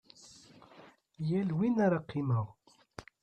Yal win ara qqimeɣ.